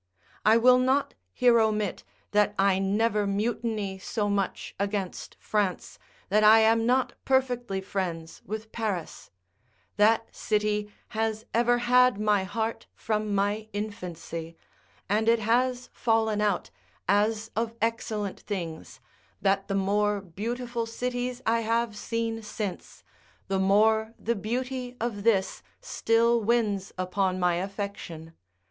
I will not here omit, that I never mutiny so much against France, that I am not perfectly friends with Paris; that city has ever had my heart from my infancy, and it has fallen out, as of excellent things, that the more beautiful cities I have seen since, the more the beauty of this still wins upon my affection.